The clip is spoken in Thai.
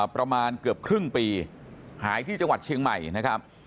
ประมาณเกือบครึ่งปีหายที่จังหวัดเชียงใหม่นะครับ